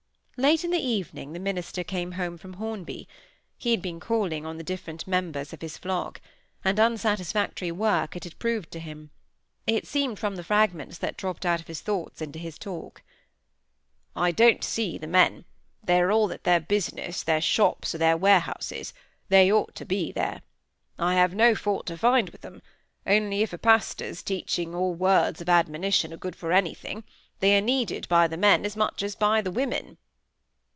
Late in the evening the minister came home from Hornby. He had been calling on the different members of his flock; and unsatisfactory work it had proved to him, it seemed from the fragments that dropped out of his thoughts into his talk. "I don't see the men; they are all at their business, their shops, or their warehouses; they ought to be there. I have no fault to find with them; only if a pastor's teaching or words of admonition are good for anything, they are needed by the men as much as by the women."